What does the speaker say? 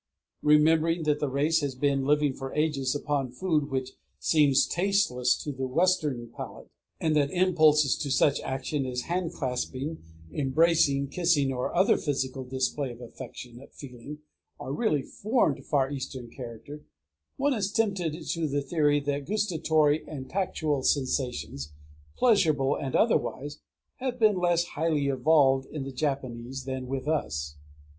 Remembering that the race has been living for ages upon food which seems tasteless to the Western palate, and that impulses to such action as hand clasping, embracing, kissing, or other physical display of affectionate feeling, are really foreign to far Eastern character, one is tempted to the theory that gustatory and tactual sensations, pleasurable and otherwise, have been less highly evolved with the Japanese than with us.